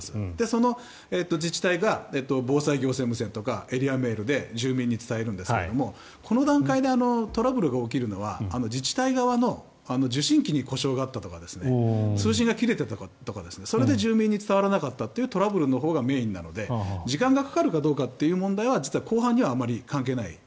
その自治体が防災行政無線とかエリアメールで住民に伝えるんですがこの段階でトラブルが起きるのは自治体側の受信機に故障があったとか通信が切れていたとかそれで住民に伝わらなかったというトラブルのほうがメインなので時間がかかるかどうかっていう問題は実は後半にはあまり関係ない。